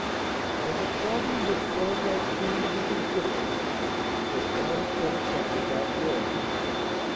And the problem which Thorndyke seemed to be considering was how to set aside that will.